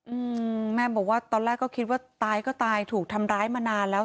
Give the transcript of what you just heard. อืมแม่บอกว่าตอนแรกก็คิดว่าตายก็ตายถูกทำร้ายมานานแล้ว